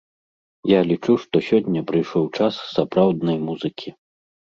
Я лічу, што сёння прыйшоў час сапраўднай музыкі.